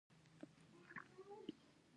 دا جاکټونه ډیر ګرم دي.